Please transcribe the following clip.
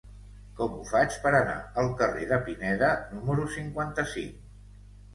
Com ho faig per anar al carrer de Pineda número cinquanta-cinc?